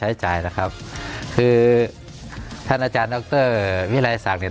ใช้จ่ายนะครับคือท่านอาจารย์ดรวิรัยศักดิ์เนี่ย